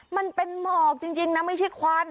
มันเป็นหมอกจริงนะไม่ใช่ควัน